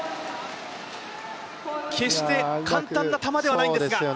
決して簡単な球ではないんですが。